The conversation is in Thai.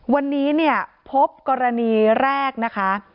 วันนี้พบกรณีแรกนะคะ